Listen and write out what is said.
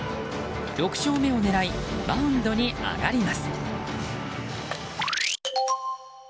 ６勝目を狙いマウンドに上がります。